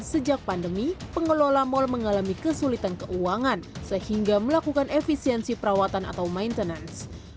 sejak pandemi pengelola mal mengalami kesulitan keuangan sehingga melakukan efisiensi perawatan atau maintenance